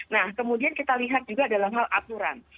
nah kemudian kita lihat juga dalam hal aturan